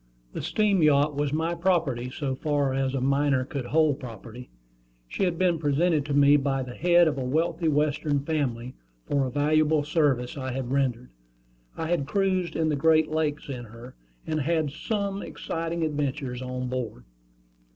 The steam yacht was my property, so far as a minor could hold property. She had been presented to me by the head of a wealthy Western family for a valuable service I had rendered. I had cruised in the Great Lakes in her, and had had some exciting adventures on board.